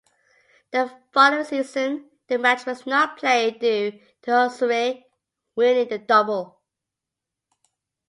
The following season, the match was not played due to Auxerre winning the double.